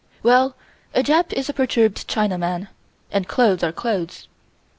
Well, a Jap is a perturbed Chinaman, and clothes are clothes.